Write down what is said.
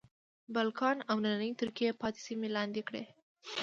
بالکان او نننۍ ترکیې پاتې سیمې لاندې کړې.